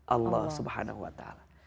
allah subhanahu wa ta'ala